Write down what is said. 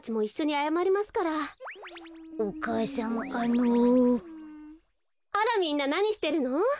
あらみんななにしてるの？